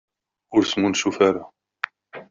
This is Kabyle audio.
Ur smuncuf ara.